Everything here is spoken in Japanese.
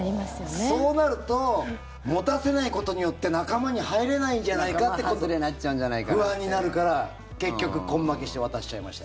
そうなると持たせないことによって仲間に入れないんじゃないかってことで、不安になるから結局、根負けして渡しちゃいました。